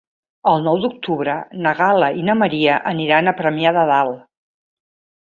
El nou d'octubre na Gal·la i na Maria aniran a Premià de Dalt.